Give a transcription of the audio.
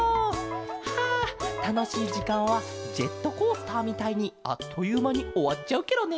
はあたのしいじかんはジェットコースターみたいにあっというまにおわっちゃうケロね。